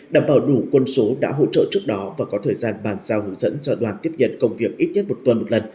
đảm bảo đủ quân số đã hỗ trợ trước đó và có thời gian bàn giao hướng dẫn cho đoàn tiếp nhận công việc ít nhất một tuần một lần